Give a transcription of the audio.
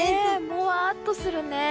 もわっとするね。